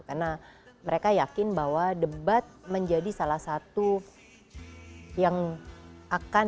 karena mereka yakin bahwa debat menjadi salah satu yang akan